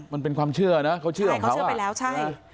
มันเป็นความเชื่อนะเขาเชื่อของเขาเชื่อไปแล้วใช่